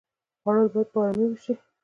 خوړل باید په آرامۍ وشي